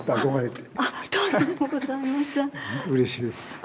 うれしいです。